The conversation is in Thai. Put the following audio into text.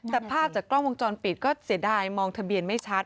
แต่ภาพจากกล้องวงจรปิดก็เสียดายมองทะเบียนไม่ชัด